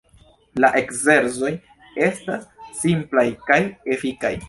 La ekzercoj estas simplaj kaj efikaj.